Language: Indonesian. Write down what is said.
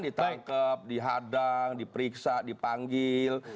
ditangkap dihadang diperiksa dipanggil